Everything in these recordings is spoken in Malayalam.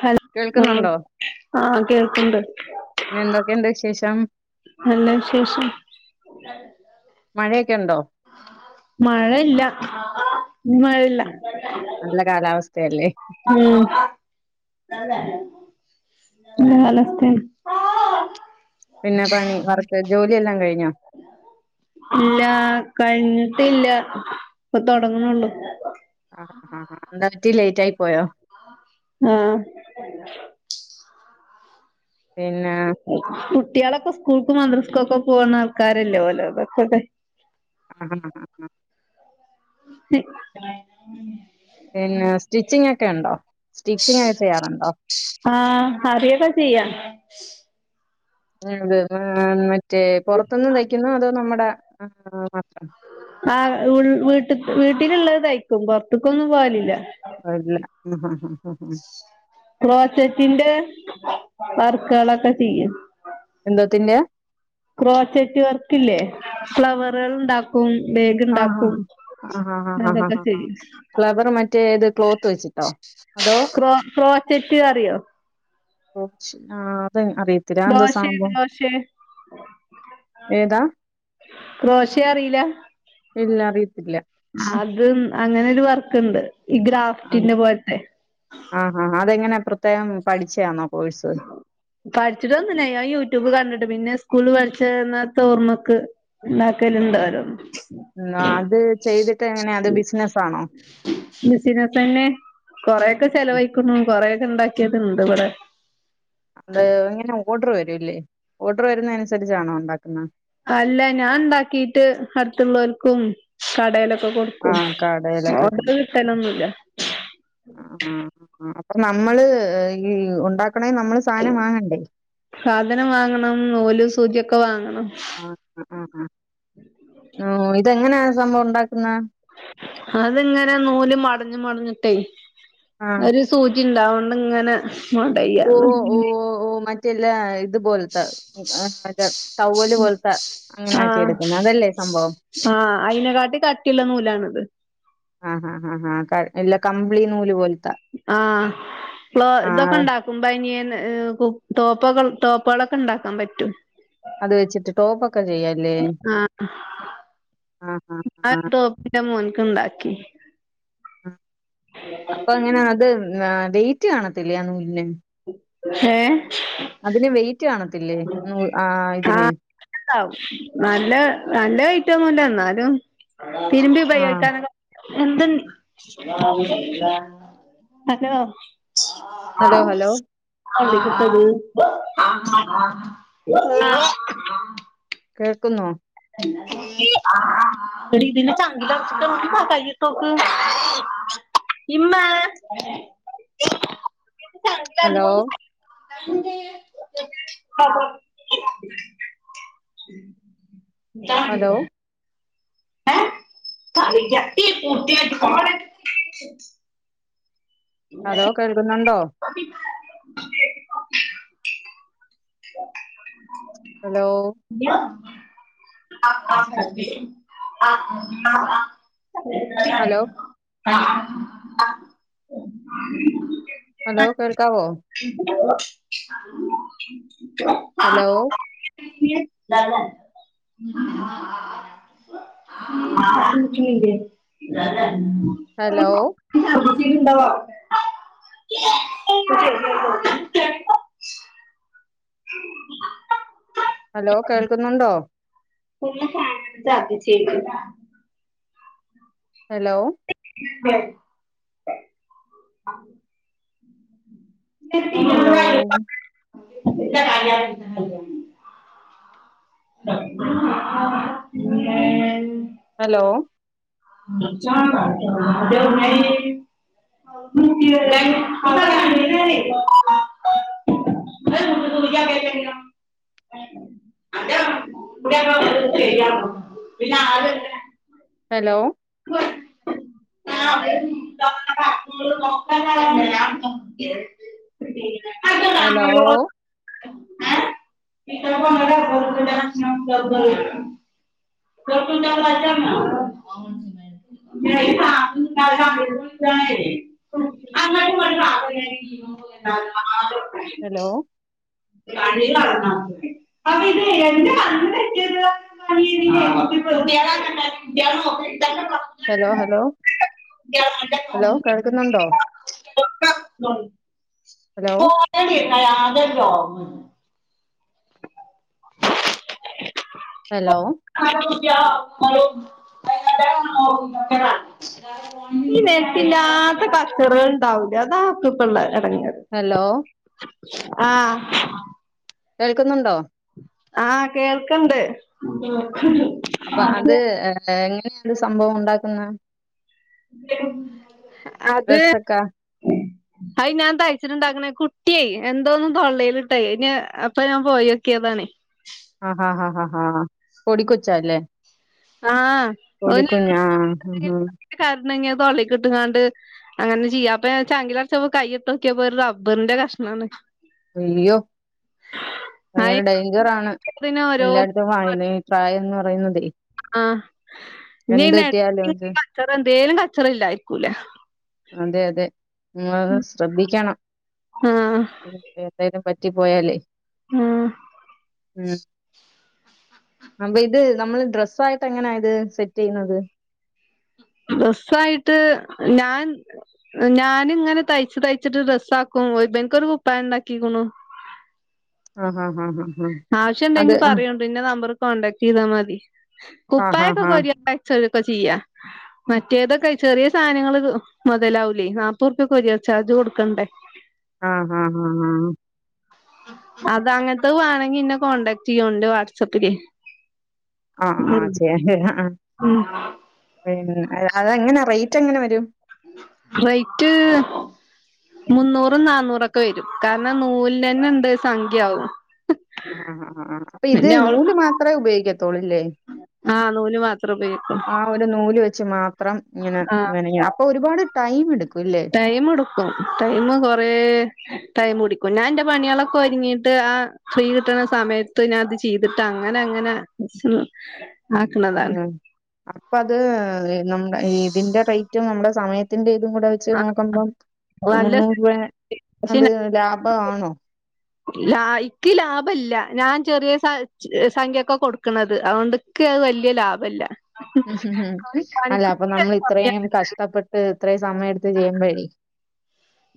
ഹലോ കേൾക്കുന്നുണ്ടോ ആഹ് ആഹ് കേൾക്കണ്ട് പിന്നെ എന്തൊക്കെയുണ്ട് വിശേഷം നല്ല വിശേഷം മഴയൊക്കെയുണ്ടോ മഴയില്ല ഇന്നമഴയില്ല നല്ല കാലാവസ്ഥയല്ലേ ഉം നല്ല കാലാവസ്ഥാണ് പിന്നെ പണി വർക്ക് ജോലിയെല്ലാ കഴിഞ്ഞോ ഇല്ല കഴിഞ്ഞിട്ടില്ല ഇപ്പൊ തൊടങ്ങണുള്ളു ആഹ് ആഹ് എന്ത പറ്റി ലേറ്റ് ആയി പോയോ ആഹ് പിന്നാ കുട്ട്യോളൊക്കെ സ്കൂൾക്കും മദ്രസ്കും ഒക്കെ പോന്ന ആൾക്കാരല്ലേ ഓലൊക്കെ ആഹ് ആഹ് [unintelligible] പിന്നെ സ്റ്റിച്ചിങ്ങൊക്കെ ഇണ്ടോ സ്റ്റിച്ചിങ് ഒക്കെ ചെയ്യാറുണ്ടോ ആഹ് അറിയൊക്കെ ചെയ്യാം അത് മ മറ്റേ പുറത്തുന്ന് തയ്ക്കുന്നോ അതോ നമ്മുടെ മാത്രമോ ആഹ് വീട്ട്ക്ക് വീട്ടിലുള്ളത് തയ്ക്കും പുറത്തക്കൊന്നും പോവലില്ല പോവലില്ല ഹ ഹ ഹ ക്ലോസറ്റിന്റെവർക്ക് കളൊക്കെ ചെയ്യും എന്തോത്തിന്റെ യാ ക്രോച്ചറ്റ് വർക്കല്ലേ ഫ്ലവറുകള് ഇണ്ടക്കു ക്കും ആഹ് ബേഗ്ണ്ടാക്കും ആഹ് ആഹ് ആഹ് ആഹ് അതൊക്കെ ആഹ് ആഹ് ചെയ്യും ഫ്ലവർ മറ്റേ ഇത് ക്ലോത്ത് വെച്ചിട്ടോ അതോ ക്രോ ക്രോച്ചറ്റ് അറിയോ ക്രോച്ച്അത് അറിയത്തില്ല അതെന്താ ക്രോഷെ സംഭവം ക്രോഷെ ഏതാ ക്രോഷ അറില്ല ഇല്ല അറിയത്തില്ല. അത് അങ്ങനെ ഒരു വർക്കുണ്ട് ഈ ആഹ്. ഗ്രാഫ്റ്റിന്റെ പോലത്തെ ആഹാ അതെങ്ങനെ പ്രത്യേകം പഠിച്ച യാണോ കോഴ്സ് പഠിച്ചിട്ടൊന്നുംല്ല ഞാൻ യൂട്യൂബ് കണ്ടിട്ട് പിന്നെ സ്കൂള് പഠിച്ചിന്ന ഓർമക്ക് ഇണ്ടാക്കല്ണ്ട് ഓരോന്ന് ഉ അത് ചെയ്തിട്ട് എങ്ങനെ അത് ബിസിനസ് ആണോ ബിസിനസ് തന്നെ കൊറെ ഒക്കെ ചെലവയിക്കുണു കൊറെ ഒക്കെ ഉണ്ടാക്കിയത് ഇണ്ട് ഇവിടെ. അത് ഇങ്ങനെ ഓർഡർ വരൂല്ലേ ഓർഡർ വരുന്ന അനുസരിച്ചാണോ ഉണ്ടാക്കുന്നത് അല്ല ഞാൻ ഉണ്ടാക്കിട്ട് അടുത്തുള്ളവർക്കും കടയിലൊക്കെ കൊടു ക്കും ആഹ് കടയിലൊക്കെ ഓഡർ കൊടുക്കും. കിട്ടലൊന്നുല്ല ആഹ് ആ അപ്പൊ നമ്മള് ഈ ഉണ്ടാക്കണേ നമ്മള് സാധനം വാങ്ങണ്ടേ സാധനം വാങ്ങണം നൂലും സൂചിയൊക്കെ വാങ്ങണം ആ ഹ്ആ ന്ഇതെങ്ങനാ സംഭവം ഉണ്ടാക്കുന്നേ അത്ങ്ങനെ നൂല് മടഞ്ഞ് മടഞ്ഞിട്ടേ ആഹ് ഒരു സൂചി ഉണ്ടാവണ്ട് അതു കൊണ്ടിങ്ങനെ ഓ ഓ ഓ ഓ മറ്റെല്ലെ ഇതുപോലത്തെ ടൗവ്വല് പോലത്തെ അങ്ങനെ ആക്കി എടുക്കുന്നത് അതല്ലേ സംഭവം. ആഹ്അയിനെ കാട്ടിലും കട്ടിയുള്ള നൂലാണിത് ആഹ് ഹാഹാഹാ ഇല്ല കമ്പിളി നൂല് പോലത്ത ആഹ് ക്ലോ ഇതൊക്കെ ഉണ്ടാകും ബനിയൻ ടോപ്പ്കൾ ടോപ്പ്കളൊക്കെ ഉണ്ടാക്കാൻ പറ്റും അത് വെച്ചിട്ട്ടോപ്പ് ഒക്കെ ചെയ്യാം. ല്ലേ ആഹ് ആഹ് ആഹ് ആ ഒരു ആഹ്- ടോപ്പ് ഇന്റെ മോൻക്ക് ഇണ്ടാക്കി അപ്പൊ അങ്ങനെ അത് വെയ്റ്റ് കാണത്തില്ലെ ആ നൂലിന് ഹേ അതിന് വെയിറ്റ് കാണത്തില്ലേ ആ ഇതിന്. വെയ്റ്റ്ണ്ടാവും നല്ല നല്ല വെയ്റ്റ് ഒന്നുല എന്നാലും തിരുമ്പി ആഹ് ഉപയോഗിക്കാനക്ക എന്തൻ ഹലോ. ഹലോ ആഹ ഹലോ [unintelligible] കേൾക്കുന്നോ [unintelligible] [unintelligible] ഹലോ [unintelligible] [unintelligible] ഹലോ [unintelligible] ഹലോ കേൾക്കുന്നുണ്ടോ [unintelligible] ഹലോ [unintelligible] [unintelligible] ഹലോ ആഹ [unintelligible] ഹലോ കേൾക്കാവോ [unintelligible] ഹലോ [unintelligible] [unintelligible] ഹലോ ണ്ടോ [inaudible] [inaudible] ഹലോ കേൾക്കുന്നുണ്ടോ [unintelligible] hello [unintelligible] [unintelligible] hello [unintelligible] hello [unintelligible] [unintelligible] [unintelligible] hello [unintelligible] [unintelligible] [unintelligible] hello [unintelligible] [unintelligible] [inaudible] [unintelligible] അങ്ങോട്ടും ഒരു ഹലോ [unintelligible] [unintelligible] [unintelligible] തന്നെ ഹലോ പറഞ്ഞിട്ടുണ്ടല്ലേ ഹലോ കുട്ടികളെ ഹലോ നോക്കി കേൾക്കുന്നുണ്ടോ [unintelligible] ഹലോ [unintelligible] ഹലോ [unintelligible] [unintelligible] [unintelligible] നെനക്കില്ലാത്ത കച്ചറ ഉണ്ടാവൂല അതാ നിനക്കിപ്പള്ള ഇടങ്ങേറ് ഹലോ ആഹ് കേൾക്കുന്നുണ്ടോ ആഹ് കേൾക്കണ്ട് അപ്പ അത് ഏ എങ്ങനെണ്ട് സംഭവം ഒണ്ടാക്കുന്ന അത് ഡ്രസ്സൊക്കെ [inaudible] അയി ഞാൻ തയ്ച്ചിട്ടുണ്ടാക്കണേ കുട്ടിയേ എന്തോ ഒന്നും തൊള്ളയിലിട്ടായി ഇനി അപ്പ ഞാൻ പോയിക്കിയതാണ് ആഹ് ഹ പൊടി കൊച്ച അല്ലേ ആഹ് പൊടികുഞ്ഞ് ആഹ് കരഞ്ഞെങ്കി അത് തൊള്ളി കിട്ടങ്ങാണ്ട് അങ്ങനെ ചെയ്യാ അപ്പ [unintelligible] കയ്യിട്ടോക്കിയപ്പോ ഒരു റബറിന്റെ കഷ്ണാണ് അയ്യോ അങ്ങനെ അയ് ഡേയ്ഞ്ചർ ആണ് ഇതിന് ഓരോ എല്ലാടത്തും [unintelligible] പ്രായന്ന് പറയുന്നതേ ആ ഇനി എന്ത് കിട്ടിയാലും [unintelligible] ഇത് കച്ചറന്തേലും കച്ചറ ഇല്ലായിരിക്കൂല അതെ അതെ ശ്രദ്ധിക്കണം ആഹ് എന്തേലും പറ്റി പോയാലേ ആഹ് ഉം അപ്പയിത് നമ്മള് ഡ്രസ്സായിട്ടെങ്ങനാ ഇത് സെറ്റ് യ്യുന്നത് ഡ്രസ്സായിട്ട് ഞാൻ ഞാനിങ്ങനെ തയ്ച്ച് തയ്ച്ചിട്ട് ഡ്രസ്സാക്കും ഇബൻക്കൊരു കുപ്പായണ്ടാക്കിക്കണു അഹ് ഹാ ഹാ അത് ആവശ്യയിണ്ടെങ്കി പറയൂ പിന്നെ നമ്പർ കോണ്ടാക്ട് യ്താ മതി ആഹ് ഹാ കുപ്പായക്കെ ഹാ ഹാ കൊറിയർ പാ [unintelligible] ചെയ്യാ മറ്റേതൊക്കെ ചെറിയ സാധനങ്ങൾ മൊതലാവുലേ നാപ്പറൂപ്യക്ക കോറിയർ ചാർജ് കൊടുക്കണ്ടേ ആഹ് ആഹ് ആഹ് ആഹ് അത് അങ്ങനത്തെ വേണങ്കി ഇന്നെ കോടാക്ട് ചെയ്യ് എൻ്റെ വാട്സആപ്പില് ആ ആ ആഹ് ചെ ആഹ് ഉം പിന്നെ അതങ്ങനെ റേറ്റ് എങ്ങനെ വരും റേറ്റ് മുന്നൂറും നാന്നൂറൊക്കെ വരും കാരണം നൂലിന് ന്നെ ഉണ്ട് സംഖ്യയാവും ആ ആ ആഹ് അപ്പയിത് നൂല് മാത്രേ ഉപയോഗിക്കത്തോളൂല്ലേ ആ നൂല് മാത്രേ ഉപ ആ ഒരു നൂല് വെച്ച് മാത്രം ഇങ്ങനെ ആഹ് വേണെങ്കി അപ്പൊ ഒരുപാട് ടൈം എടുക്കുല്ലേ ടൈമെടുക്കും ടൈമ് കൊറെ ടൈമ കുടിക്കും ഞാൻ എന്റെ പണികളൊക്കെ ഒരുങ്ങിട്ട് ആ ഫ്രീ കിട്ടണ സമയത്ത് ഞാ അത് ചെയ്തിട്ട് അങ്ങനങ്ങനെ ആ അപ്പ അത് നമ്മടെ ഇതിന്റെ റേറ്റും നമ്മുടെ സമയത്തിന്റെ ഇതും കൂടെ വെച്ച് നോക്കുമ്പം നല്ല മുന്നൂറേ അത് ലാഭ ആണോ ല ഇക്ക് ലാഭല്ല ഞാൻ ചെറിയ സ സംഖ്യൊക്കെ കൊടുക്കണത് അതോണ്ട് ക്ക് അത് വല്യ ലാഭല്ല അല്ല അപ്പ പണിക്കൂലി നമ്മളിത്രയും കഷ്ടപ്പെട്ട് ഇത്രയും സമയം എടുത്ത് ചെയ്യുമ്പഴി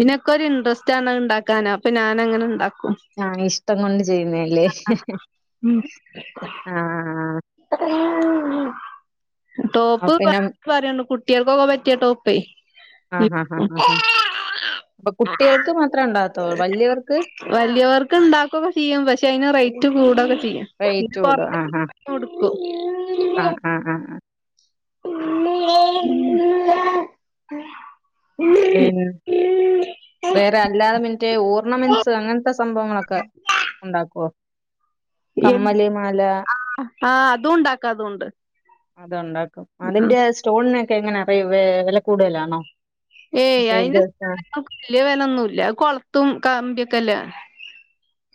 ഇതിനൊക്കൊരു ഇൻ്റർസ്റ്റാണ് ഇണ്ടാക്കാൻ അപ്പ ഞാനങ്ങനെ ഇണ്ടാക്കും ആ ഇഷ്ടം കൊണ്ട് ചെയ്യുന്നേല്ലേ ഉം ആഹ് [unintelligible] അപ്പൊ ടോപ്പ് പറയ പിന്നെ [unintelligible] കുട്ടികൾക്കൊക്കെ പറ്റിയ ടോപ്പേ ആ ഹാ ഹാ ഹാ അപ്പൊ കുട്ടിയൾക്ക് മാത്രേ ഒണ്ടാത്തോ വലിയവർക്ക് വല്ല്യോർക്ക് ഇണ്ടാക്കൊക്കെ ചെയ്യും പക്ഷെ അയ്ന് റേറ്റ് കൂടൊക്കെ ചെയ്യും റേറ്റ് [unintelligible] കൊട്ക്കും ആഹ് ആഹ് ആഹ് [unintelligible] [unintelligible] വേറെ അല്ലാതെ മറ്റേ ഓർണമെൻസ് അങ്ങൻത്തെ സംഭവങ്ങളക്കെ ഉണ്ടാക്കോ എപ്പ് ആഹ് ആഹ് അതുണ്ടാക്ക അതോണ്ട് അതൊണ്ടാക്കും അതിന്റെ സ്റ്റോണിനോക്കെ എങ്ങനാ റിവെ വെല കൂടുതലാണോ ഏയ് മറ്റേ ഇത് അയ്ന് ആ ന്റെ [inaudible] വെല്യ വെലോന്നുല്ല കൊൾത്തും കമ്പിക്കെല്ലെ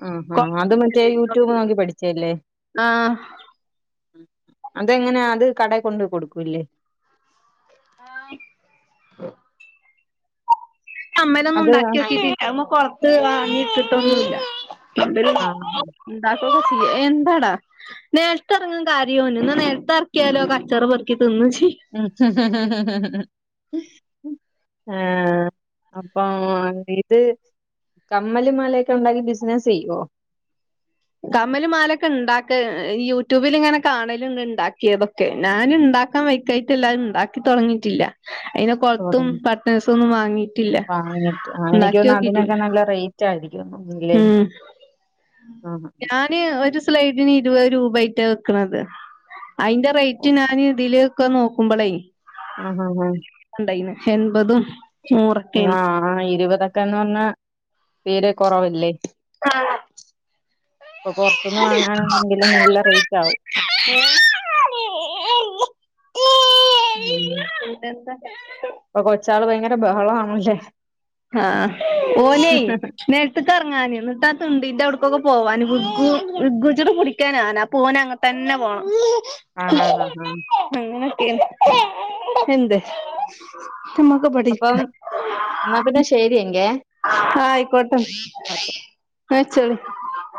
ആഹ് ആഹ് അത് മറ്റേ യൂട്യൂബ് നോക്കി പഠിച്ചല്ലേ ആ അതെങ്ങനെയാ അത് കടെ കൊണ്ട് കൊടുക്കുലെ ആഹ് കമ്മലോന്നും അത് ഉണ്ടാക്കി നോക്കിട്ടില്ല അയ്മ്മെ കോളത്ത് വാങ്ങി ഇട്ടിട്ടൊന്നുല്ല ഇവര് ആഹ് ഇണ്ടാക്കൊക്കേ ചെയ്യാ എന്താടാ നേൽത്തർങ്ങും കര്യോന് എന്നാ നേൽത്തെർക്കിയാലോ കച്ചറ പോർക്കി തിന്ന് ചെയ്യും ഉ ഏഹ് അപ്പം ഇത് കമ്മല്, മാലയൊക്കെ ഉണ്ടാക്കി ബിസിനസ്സ് ചെയ്യോ? കമ്മലും, മാലൊക്കെ ഇണ്ടാക്ക യൂട്യൂബിലിങ്ങനെ കാണല്ണ്ട് ഇണ്ടാക്കിയത് ഒ ഞാന് ഇണ്ടാക്കാം വൈക്കായിട്ടല്ലാ അഹ് ഇണ്ടാക്കി തൊടങ്ങിട്ടില്ല. അയ്ന് കൊൾത്തും, തുടങ്ങി പട്ടൺസൊന്നും വാങ്ങിട്ടില്ല ഇണ്ടാക്കി നോക്കിട്ടുല്ല ചാകിരി ഒന്നും ഉം ഞാൻ ന് ഒരു സ്ലൈഡിന് ഇരുപത് രൂപയ്ട്ടാ വിക്ക്ണത് അയ്ന്റെ റേറ്റ് ഞാന് ഇതില് ഒക്കെ നോക്കുമ്പളേ ആഹ് ആഹ് ആഹ് ഇണ്ടായ്ന് എൺപതും നൂറൊക്കെയാണ് ആഹ് ഇരുപതൊക്കെന്ന് പർഞ്ഞാ തീരെ കൊറവല്ലേ? ആഹ് ഇപ്പൊ പോർത്തുന്ന് വാങ്ങാനാണെങ്കിലും നല്ല റേറ്റ് ആകും ഉം [unintelligible] [unintelligible] ച്ചാള് ഭയങ്കര ബഹളാണല്ലേ? ആഹ് ഓനെയ് നെ ത്ത്ക്ക് എർങ്ങാനെ ഇന്നട്ട് ആത്തിണ്ട്ന്റെ ഔട്ക്കൊക്കെ പോവാന് വികും വികോച്ചിട്ട് പിടിക്കാൻ ഞാന് അപ്പോ ഓന് അങ്ങ തന്നെ പോണം ആഹ് ആഹ് ഹാ ഹാ അങ്ങനൊക്കെ എന്ത് നമ്മക്ക് ഇവിടെ അപ്പം ഇരിക്കാ എന്നാ പിന്നെ ശെവ്വ് ചെയ്യണ്ടേ ആഹ് അയ്ക്കോട്ടെ ന്നാ വെച്ചാളി